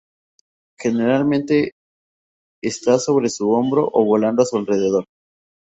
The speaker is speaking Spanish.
Generalmente está sobre su hombro o volando a su alrededor.